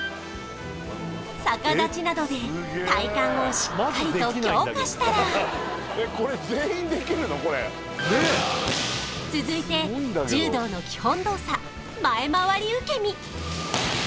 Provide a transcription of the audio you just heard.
逆立ちなどで体幹をしっかりと強化したら続いて柔道の基本動作前回り受け身